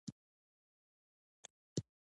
• شیدې د بدن دفاعي سیسټم ته تقویه ورکوي.